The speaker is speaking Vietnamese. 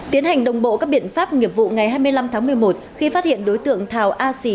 tiến hành đồng bộ các biện pháp nghiệp vụ ngày hai mươi năm tháng một mươi một khi phát hiện đối tượng thảo a xì